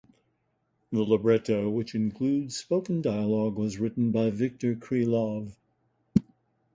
The libretto, which includes spoken dialogue, was written by Viktor Krylov.